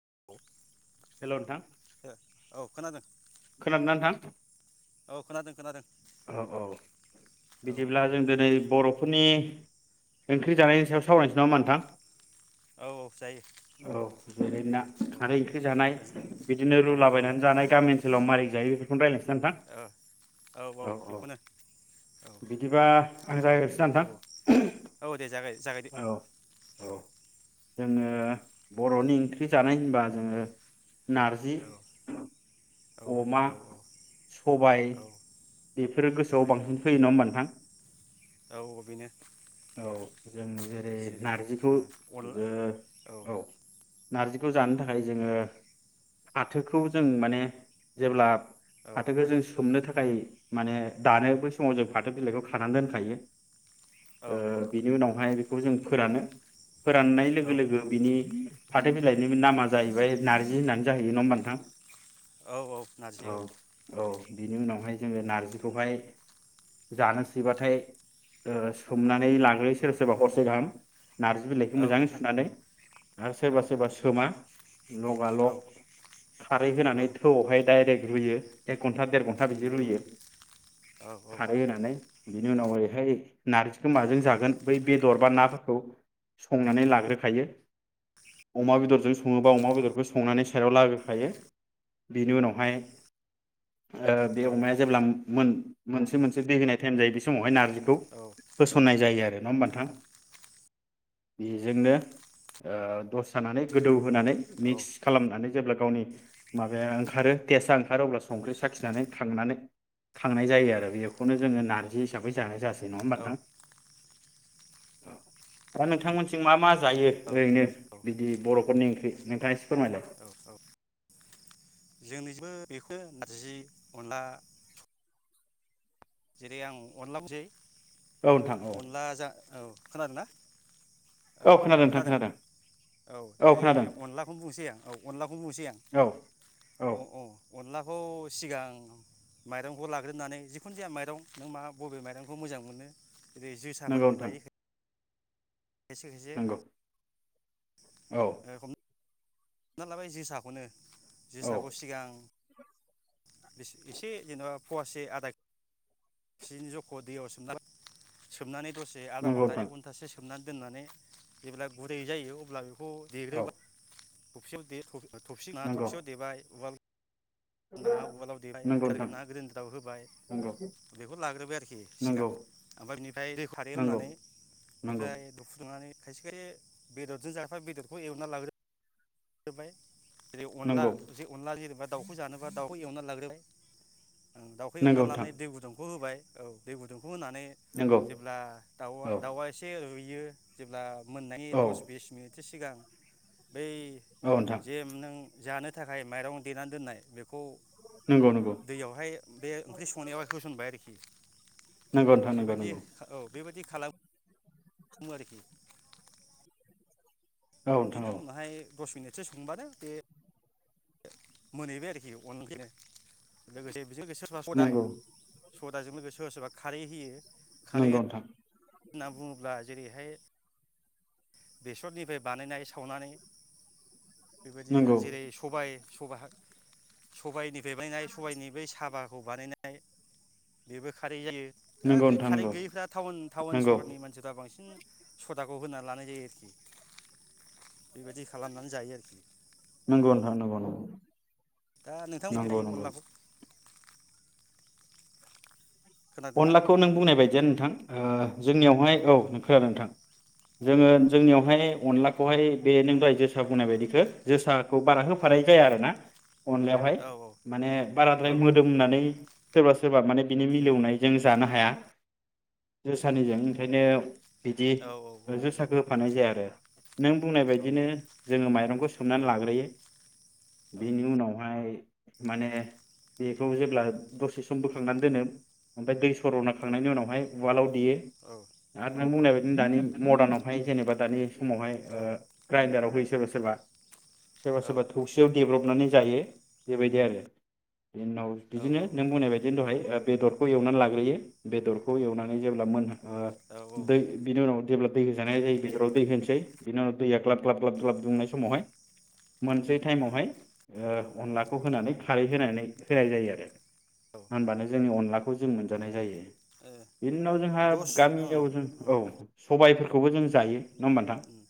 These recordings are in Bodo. [unintelligible] हेलौ नोंथां। औ खोनादों। खोनादोंना नोंथां। औ खोनादों खोनादों औ औ औ बिदिब्ला औ जों दिनै बर'फोरनि ओंख्रि जानायनि सायाव सावरायनोसै नामा ओमबा नोंथां? औ जायो औ जेरै ना खारै ओंख्रि जानाय बिदिनो औ रुलाबायायनानै जानाय गामि ओनसोलाव मारै जायो बेफोरखौनो रायज्लायसै ना नोंथां? औ औ बेखौनो औ बिदिबा आं जागायग्रोसै ना नोंथां ओ औ औ दे जागाय। जागायदो। औ औ जोङो बर'नि ओंख्रि जानाय होनबा जोङो नारजि औ अमा औ सबाय औ बेफोरो गोसोआव सबाय औ बांसिन फैयो नङा होमबा नोंथां। औ बेनो। औ। जों जेरै नार्जिखौ जो औ नारजि खौ जानो थाखाय जोङो फाथोखौ जों माने जेब्ला औ फाथोखौ जों सोमनो थाखाय खाय माने दानो बै समाव जों फाथो बिलाइखौ खानानै दोनखायो। औ ओ बिनि उनाव बेखौ जों फोरानो फोराननाय औ लोगो लोगो बिनि फाथो बिलाय बेनि नामा जाहैबाय नारजि होननानै जाहयो नङा होनबा नोंथां थां औ-औ नारजि औ। औ बिनि उनावहाय जोङो नारजिखौहाय जानोसैबाथाय ओ सोमनानै लागोन सोरबा सोरबा हरसे गाहाम नार्जि बिलाइखौ औ मोजाङै सुनानै आरो औ सोरबा सोरबा सोमा लगा औ लग खारै औ होनानै थौआवहाय डाइरेक्ट रुयो एखे एक घन्टा देर घन्टा बिदि रुयो औ खारै होनानै। बिनि उनाव ओरैहाय नारजि खोमाजों औ जागोन। दर बा नाफोरखौ संनानै लाग्रोखायो अमा बेदरजों सङोबा अमा बेदरखौ संनानै सायाव लाग्रोखायो बेनि उनावहाय ओ बे औ अमाया जेब्ला मोन मोनसे मोनसे दै होनाय टाइम जायो बे समावहाय नारजि गौ होसननाय जायो आरो नङा होनबा नोंथां बेजोंनो ओ दसे थानानै गोदौ होनानै मिक्स खालामनानै जेब्ला गावनि माबाया ओंखारो तेसा ओंखारो अब्ला संख्रि साखिनानै खांनानै खांनाय जायो आरो बेखौनो जोङो नारजि हिसाबै जानाय जासै नङा होनबा नोंथां दा नोंथांमोनथिं मा मा जायो औ ओरैनो बिदि बर'फोरनि ओंख्रि नोंथाङा एसे फोरमायलाय जोंनिजिबो बेखो नारजि अनला जेरै आं अनला बुनोसै औ नोंथां औ अनला जा औ खोनादोंना औ खोनादों औ जेरै अनलाखौनो बुंनोसै आं औ अनलाखौनो बुंनोसै आं औ औ अ-अ अनलाखौ सिगां माइरंखौ लाग्रोनानै जिखुनु जाया माइ दं नों मा बबे माइरंखौ मोजां मोनो जरै नंगौ जोसाफोरबो नोंथां लायो ख खायसे खायसे नंगौ औ ओ खम हमना लाबाय जोसाखौनो औ जोसाखौ सिगां एस एसे जेनेबा फवासे आदा सेनि जख' दैयाव सोमना सोमनानै दसे आदा नंगौ घन्टा नोंथां एक घन्टासो खोबनानै दोननानै जेब्ला गुरदै जायो अब्ला बे खौ औ देग्रोबा थुफसियाव देयो थुफि अ थफसि नङा नंगौ थबसियाव देबाय औवा ना उवालाव देबाय नंगौ ग्रेनदार नोंथां गोनांआ ग्रेनदाराव होबाय नंगौ बेखौ लाग्रोबाय आरोखि सिगां नंगौ ओमफ्राय बेनिफ्राय दै खारै नंगौ होनानै नंगौ बेनिफ्राय फुदुंनानै खायसे खायसे बेदरजों जाफा बेदरखौ एवना लाग्रो होबाय बिदि उनला नंगौ उनला जेनेबा दाउखौ जानोबा दाउखौ एवनानै लाग्रोबाय। दाउखो एवना नंगौ नोंथां लानाय दै गुदुंखौ होबाय। औ दैे गुदुं होनानै नंगौ जेब्ला दाउआ औ दाउआ एसे रू बियो जेब्ला मोननाय औ दस बिस मिनिट सिगां बै औ नोंथां जेम नों। जानो थाखाय माइरं देनानै दोननाय बेखौ। नंगौ नंगौ दैयावहाय बे ओंख्रि संनायाव होसनबाय आरोखि। नंगौ नोंथां नंगौ बेबायदि नंगौ औ बेबायदि खालाम आरोखि। औ नोंथां औ बिदिनो उनावहाय। दस मिनिटसो संबानो बे मोनहैबाय आरोखि [unintelligible] लोगोसे बेजों लोगोसे सोरबा सदा होयो। नंगौ सदाजों लोगो सोरबा सोरबा खारै होयो। खारै नंगौ नोंथां। होनना बुङोब्ला जेरैहाय बेसरनिफ्राय बानायनाय सावनानै बेबायदि नंगौ जेरै सबाय। सबाय हाख सबायनि बेबायनाय सबायनि बै साबा खौ बानायनाय बेबो खारै जायो। दा नंगौ बै नोंथां खारे नंगौ गैयैफ्रा टाउन-टाउन नंगौ सहरनि मानसिफ्रा बांसिन। सदाखौ होनान लानाय जायो आरोखि। बेबायदि खालामनानै जायो आरोखि [inaudible] नंगौ नोंथां नंगौ नगौ। दा नोंथां [unintelligible] अनलाखौ? खोनादोंना अनलाखौ नों बुंनाय बायदियान नोंथां। ओ जोंनियावहाय औ खोनादो नोंथां जोङो औ जोंनियावहाय अनलाख खौहाय बे नों दहाय जोसा बुंनाय बायदिखो जोसा खौ बारा होफानाय जाया आरोना अनलायावहाय औ औ माने औ बाराद्राय मोदोमनानै सोरबा सोरबा माने बिनि मिलौनाय जों उम जानो उम हाया। जोसानिजों ओंखायनो बिदि औ औ औ जोसाखौ नंगौ होफानाय जाया आरो नों बुंनाय औ बायदिनो जोङो माइरंखौ औ सोमनानै लाग्रोयो औ बिनि उनावहाय माने बेखौ जेब्ला दसे सम बोखांनानै दोनो ओफ्राय दै स सर'ना औ खांनायनि उनावहाय उवालाव देयो औ उम आरो नों बुंनाय बायदिनि मदार्नाव फाय जेनेबा दानि समावहाय ओ ग्राइनदाराव होयोस सोरबा सोरबा। सोरबा सोरबा थौसियाव देब्रब नानै जायो बेबायदि आरो। बेनि उनाव बिदिनो नों बुंनाय बायदि दहाय ओ बेदर एवनानै लाग्रोयो बेदरखौ एवनानै जेब्ला मोनहां ओ दै बिनि उनाव जेब्ला दै होज जानाय जायो बेदराव दै होनोसै। बिनि उनाव दैया ग्लाब ग्लाब ग्लाब ग्लाब दुंनाय समावहाय मोनसे टाइमावहाय ओ उम अनलाखौ होनानै खा खारै होनानै औ होनाय जायो आरो औ ओ होनबानो जोंनि अनला खौ जों मोनजानाय जायो। बिनि उनाव जोंहा दस ओं गामियाव जों उम औ सबायफोर खौबो जों जायो। नङा ओमबा नोंथां उम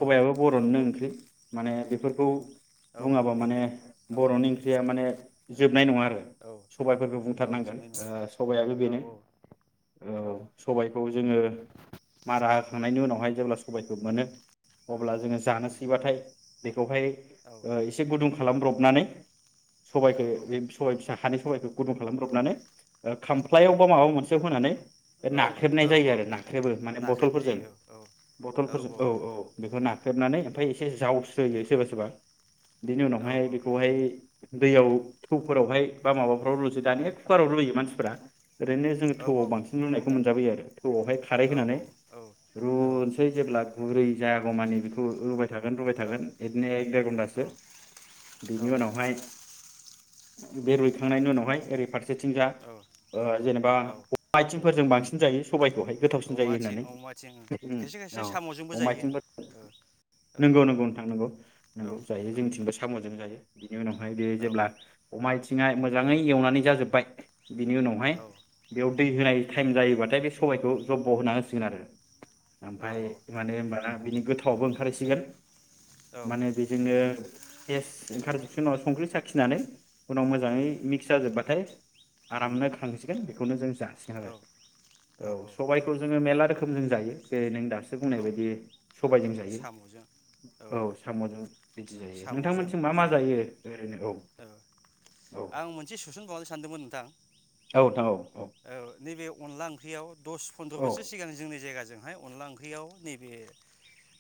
औ औ बर'निनो ओंख्रि माने बेफ फोरखौ औ बुङाबा बर'नि माने ओंख्रि औ बर'नि ओंख्रिया माने जोबनाय नङा आरो औ सबायफोरखौ बुं औ जोबनाय नङा औ थार नांगोन ओ सबयाबो बेनो औ सबायखौ जोङो मारा होखांनाय नि उनावहाय जेब्ला सबायखौ मोनो। अब्ला जोङो जानोसैबाथाय बेवहाय ओ इसे गुदुं खालामब्रबनानै सबाइखौ बे सबाइ फिसा हानि सबाइखौ [unintelligible] खालामब्रबनानै ओ औ खामफ्लायाव बा माबा मोनसेयाव होनानै औ नाख्रेबनाय औ जायो औ आरो नाख्रेबो माने नाख्रेबनाय बथलफोरजों जायो औ बथलफोरजों औ औ बेखौ नाख्रेबनानै औ ओमफ्राय एसे जावस्रोयो सोरबा सोरबा बिनि उनावहाय औ औ बेखौहाय दैयाव थौफोरावहाय बा माबाफोराव दानि कुकाराव रुयो मानसि फोरा ओरैनो जोङो थौआव बांसिन रुनायखौ मोनजाबायो आर थौआवहाय खारै होनानै औ रुनोसै जेब्ला गुरै जायागौमानि बेखौ रुबाय थागोन रुबाय थागोन बिदिनो एक देर घनटासो बिनि औ उनावहाय बे रुइखांनायनि उनावहाय ओरै फारस फारसेथिंजा औ ओ जेनेबा [unintelligible] फोरजों बांसिन जायो। सबाइखौहाय गोथावसिन अमा जायो आथिं होननानै अमा आथिं ओं खायसे खायसे औ साम'जोंबो अमा जायो आइथिंफो औ औ नोंगौ नोंगौ नोंथां नोंगौ औ नोंगौ जायो जोंनिथिंबो सामुजों जायो। बेनि उनावहाय बे औ जेब्ला अमा आइथिंआ मोजाङै एवनानै जाजोबाय बिनि उनावहाय बेयाव दै होनाय टायेम जायोबाथाय बे सबायखौ जब' होना होसिगोन आरो ओमफ्राय माने होनबाना बिनि गोथावाबो ओंखारहैसिगोन। माने बेजोंनो टेस ओंखारजोब उनाव संख्रि साखि [unintelligible] उनाव मोजाङै मिक्स जाजोब्बा आमफ्राय आरामनो खांसिगोन बेखौनो जों जासिगोन आरो औ सबायखौ जोङो मेरला रोखोम जों जायो जेरै नों दा नोंसोर औ बुंनाय बायदि औ सबायजों जायो साम'जों औ साम'जों बिदि जायो साम'जों नोंथांमोनिजों मा मा जेरै जायो ओरैनो औ औ? आं मोनसे सोसनबावनो सानदोंमोन नोंथां? औ नोंथां औ औ। अनला ओंख्रियाव दस फन्द्र औ बोसोर सिगां जोंनि जायगाजों हाय अनला ओंख्रि [unintelligible] नैबे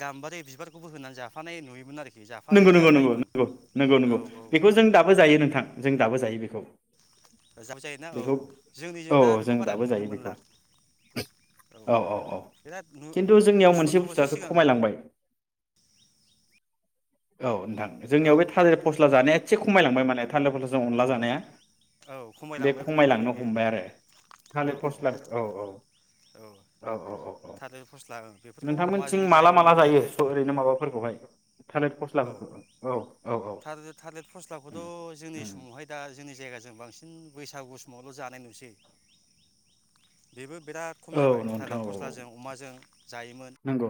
गाम्बारि बिबारखौबो होनानै जाफानाय नुयोमोन आरोखि। जाफानाय नंगौ नंगौ नंगौ जाफायोमोन नंगौ नंगौ औ नंगौ औ बेखौ जों दाबो जायो नोंथां जों दाबो जायो। बेखौ- जाब जायोना औ बेखौ -औ जोंनिजों औ दा बेखौ जों बारा दाबो नुनो जायो मोनला बेखौ औ बिराद नु खिन्थु जोंनियाव दस मोनसे फन्द्र' बोसोर बुस्थुआसो सिगां खमायलांबाय औ नोंथां। औ जोंनियाव बे थालिर फस्ला जानाया एसे खमायलांबाय माने थालिर फस्लाजों औ अनला जानाया औ बे खमायलांबाय खमायलांबाय खमायलांनो बेयो हमबाय आरो थालिर फस्ला औ औ औ। थालिर फस्ला ओं बेफोरखौ नोंथांमोनथिं अमाजों माला जायोमोन माला जायो बिरादनो से ओरैनो माबाफोरखौहाय? थालिर औ फस्लाफोरखौ औ औ औ थलेर थलेर फस्लाखौथ' उम जोंनि उम समावहाय दा जोंनि जायगाजों बांसिन बैसागु समावल' जानाय नुसै बेबो बिराद खम औ जाबाय नोंथां थालिर औ औ फस्लाजों अमाजों जायोमोन। नंगौ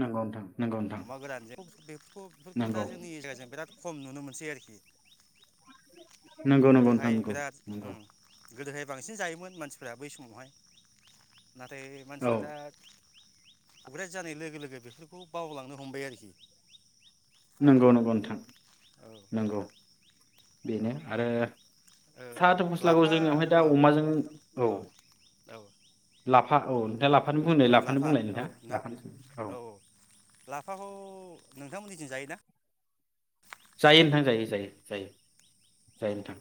नंगौ नोंथां। नंगौ नोंथां अमा गोरानजों बे बेफोरखौ दा जोंनि नंगौ एरियाजों बिराद खम नुनो मोनसै आरोखि। [unintelligible] नंगौ नंगौ नोंथां गोदोहाय नंगौ बिराद नंगौ। ओं गोदोहाय बांसिन जायोमोन मानसिफ्रा बै समावहाय नाथाय मानसिफ्रा औ दा [unintelligible] जानाय लोगो लोगो बेफोरखौ बावलांनो हमबाय आरोखि नंगौ नंगौ नोंथां। औ नंगौ। औ बेनो आरो ओ साहाथ फस्लागौ लाफा जोंनियावहाय दा औ अमाजों औ औ लाफा औ। [unintelligible] औ लाफानो लाफा बुंलाय औ नोंथाङा ना लाफानो औ औ लाफाखौ- नोंथांमोननिथिं जायोना? जायो नोंथां जायो -जायो- जायो। औ जायो नोंथां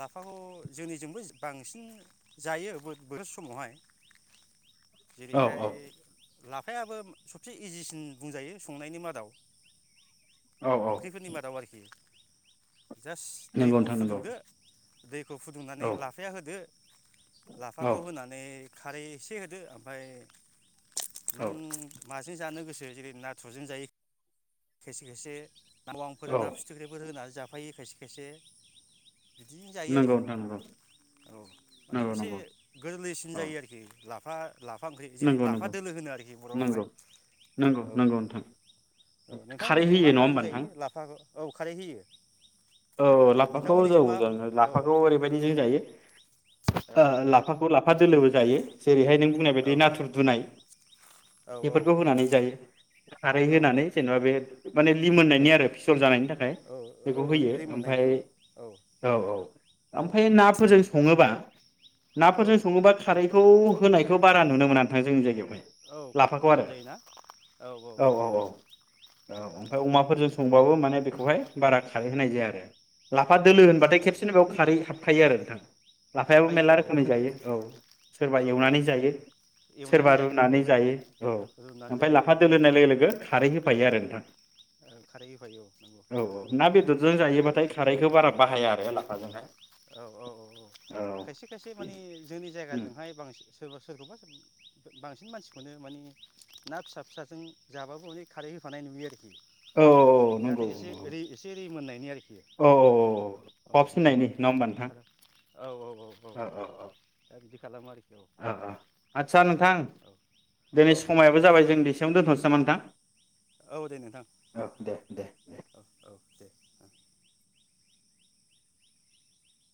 लाफाखौ जोंनिजोंबो- बांसिन जायो बोथोर समावहाय- औ औ जेरैहाय- लाफायाबो सबसे इजिसिन बुंजायो संनायनि मादाव- औ औ ओंख्रिफोरनि मादाव आरोखि- जास- नंगौ दैखौ नोंथां नंगौ फुदुंदो- [unintelligible] खौ फुदुंनानै औ लाफाया होदो औ लाफाखौ होनानै- खारै एसे होदो ओमफाय औ नों माजों जानो गोसो जेरै नाथुरजों जायो। खायसे -खायसे नावाआंफोर औ ना फिथिख्रिफोर होनानै जाब थाफायो खायसे - खायसे। बिदिनो जायो नंगौ आरोखि नोंथां नंगौ औ माने नंगौ एसे गोरलैसिन औ जायो आरोखि लाब फा लाफा ओंख्रि जेरै नंगौ लाफा नंगौ दोलो होनो आरोखि बर'आवहाय नंगौ नंगौ औ नंगौ नोंथां - औ। खारै नोंथांमोननिजों मा होयो नङा माजों होमबा नोंथां? जायो लाफाखौ औ खारै होयो। औ लाफाखौ जौ नोंथांमोननिजों मा जा औ लाफाखौ ओरैबायदिजों जायो ओ औ लाफाखौ लाफा दोलोबो जायो जेरैहाय नों बुंनाय औ बायदि नाथुर दुनाय औ बेफोरखौ होनानै जायो। खारै होनानै औ जेनेबा बे माने लिमोन औ मोननायनि आरो फिसर जानायनि थाखाय औ बेखौ औ होयो। ओमफाय रिमोननायनि औ औ - औ। ओमफाय ना फोरजों सङोबा औ नाफोरजों सङोबा खारै बेखौ होनायखौ बारा नुनो मोना नोंथां जोंनि जायगायाव। औ लाफाखौ खम आरो जायोना औ - औ - औ औ ओमफाय अमाफोरजोंस संबाबो माने बेखौहाय बारा खारै होनाय जाया। [unintelligible] लाफा दोलो होनबाथाय आदसा औ खेबसेनो बेयाव खारै हाबखायो आरो। [inaudible] लाफायाबो हाबखायो मेलला औ रोखोमनि जायो हाबखायो औ सोरबा औ औ एवनानै जायो सोरबा एवनानै जायो औ रुनानै जायो औ रुनानै ओमफाय जायो लाफा दोलोननाय लोगो लोगो खारै होफायो आरो नोंथां खारै होफायो औ नंगौ औ औ ना बेदरजों जायोबा खारैखो बारा बाहाया आरो लाफाजोंहाय। औ औ औ औ खायसे खायसे माने जोंनि उम जायगाजोंहाय बांसिन सोरबा सोर सोरखौबा बांसिन मानसिखौनो माने ना फिसा फिसाजों जाबाबो अनेक खारै होफानाय नुयो आरो। औ औ जाहाथे नंगौ एसे ओरै एसे रिमोननाय। [inaudible] औ औ औ अ फुननायनि नङा होमबा बिदि नोंथां खालाम औ औ दा बिदि खालामो आरोखि औ औ नोंथां औ दे नोंथां औ दे दे। औ औ दे ओं